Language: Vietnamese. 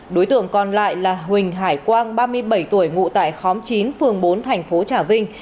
đối tượng còn lại là huỳnh hải quang ba mươi bảy tuổi ngụ tại khóm chín phường bốn thành phố trà vinh